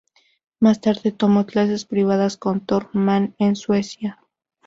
Más tarde, tomó clases privadas con Tor Mann en Suecia.